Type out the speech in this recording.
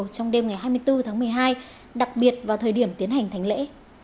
trong đêm ngày hai mươi bốn tháng một mươi hai đặc biệt vào thời điểm tiến hành thánh lễ